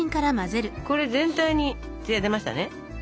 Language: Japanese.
これ全体にツヤ出ましたね？